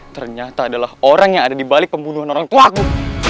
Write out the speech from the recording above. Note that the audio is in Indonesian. ternyata adalah orang yang ada di balik pembunuhan orang tua aku